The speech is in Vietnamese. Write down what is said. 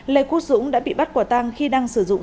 lê quốc dũng đã bị bắt quả tăng khi đang sử dụng